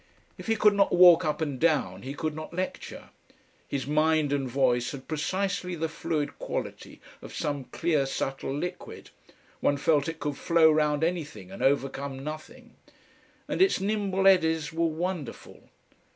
If he could not walk up and down he could not lecture. His mind and voice had precisely the fluid quality of some clear subtle liquid; one felt it could flow round anything and overcome nothing. And its nimble eddies were wonderful!